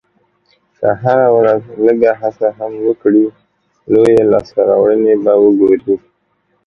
که هره ورځ لږه هڅه هم وکړې، لویې لاسته راوړنې به وګورې.